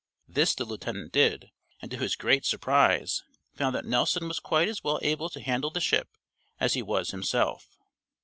This the lieutenant did, and to his great surprise found that Nelson was quite as well able to handle the ship as he was himself.